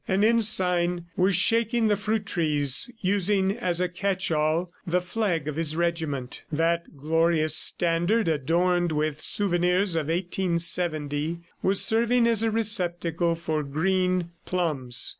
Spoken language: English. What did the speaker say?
An ensign was shaking the fruit trees using as a catch all the flag of his regiment. That glorious standard, adorned with souvenirs of 1870, was serving as a receptacle for green plums.